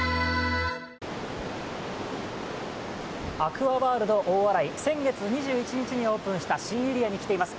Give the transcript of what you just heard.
アクアワールド大洗、先月２１日にオープンした新エリアに来ています。